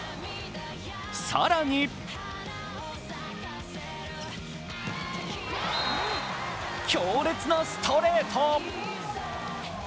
更に強烈なストレート。